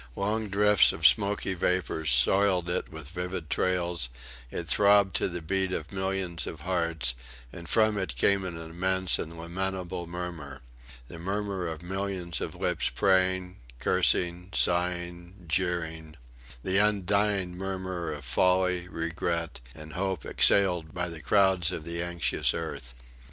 Long drifts of smoky vapours soiled it with livid trails; it throbbed to the beat of millions of hearts, and from it came an immense and lamentable murmur the murmur of millions of lips praying, cursing, sighing, jeering the undying murmur of folly, regret, and hope exhaled by the crowds of the anxious earth.